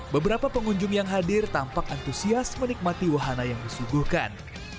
beberapa pengunjung yang hadir tampak antusias menikmati wahana yang disuguhkan